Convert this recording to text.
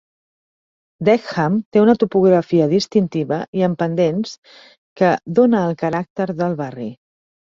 Deckham té una topografia distintiva i amb pendents que "dóna el caràcter" del barri.